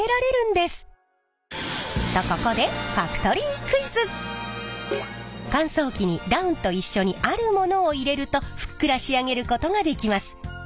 とここで乾燥機にダウンと一緒にあるものを入れるとふっくら仕上げることができます。